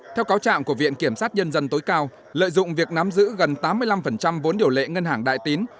theo cáo trạng của viện kiểm sát nhân dân tối cao lợi dụng việc nắm giữ gần tám mươi năm vốn điều lệ ngân hàng đại tín